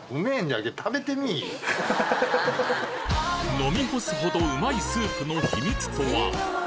飲み干すほどうまいスープの秘密とは？